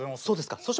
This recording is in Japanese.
そうですか。